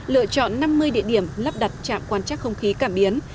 lựa chọn năm mươi địa điểm lắp đặt trạm quan trắc không khí cảm biến